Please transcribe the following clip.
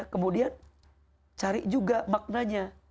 kemudian cari juga maknanya